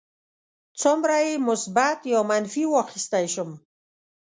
څومره یې مثبت یا منفي واخیستی شم.